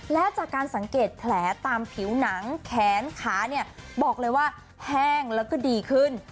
และจากการสังเกตแผลตามผิวหนังแขนขาเนี่ยบอกเลยว่าแห้งแล้วก็ดีขึ้น